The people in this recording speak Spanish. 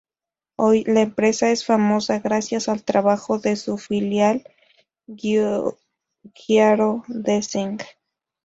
Hoy, la empresa es famosa gracias al trabajo de su filial, Giugiaro Design.